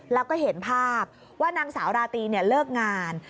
แล้วก็เห็นภาพว่านางสาวราตรีเลิกงาน